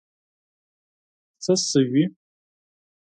څه شوي؟